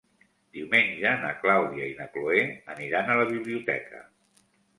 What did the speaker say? Diumenge na Clàudia i na Cloè aniran a la biblioteca.